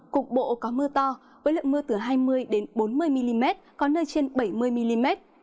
cục bộ có mưa to với lượng mưa từ hai mươi bốn mươi mm có nơi trên bảy mươi mm